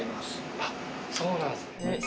あっそうなんですね。